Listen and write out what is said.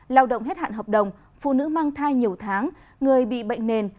lao động hết hạn hợp đồng phụ nữ mang thai nhiều tháng người bị bệnh nền